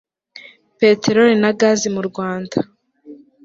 peteroli na gazi mu rwanda